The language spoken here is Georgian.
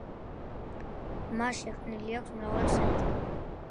მას შექმნილი აქვს მრავალი საინტერესო ნაწარმოები.